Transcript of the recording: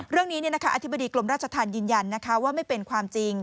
เรื่องนี้อธิบดีกรมราชธรรมยืนยันว่าไม่เป็นความจริง